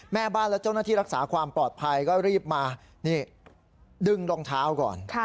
แม่บ้านและเจ้าหน้าที่รักษาความปลอดภัยก็รีบมานี่ดึงรองเท้าก่อน